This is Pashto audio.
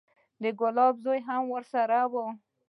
د ګلاب زوى هم راسره و.